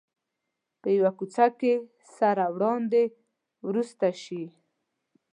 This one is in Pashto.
په یوه کوڅه کې سره وړاندې ورسته شي.